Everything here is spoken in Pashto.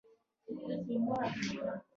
زیاتره مواد په تودوخې سره منبسط کیږي.